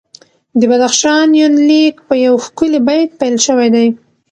د بدخشان یونلیک په یو ښکلي بیت پیل شوی دی.